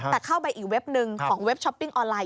แต่เข้าไปอีกเว็บหนึ่งของเว็บช้อปปิ้งออนไลน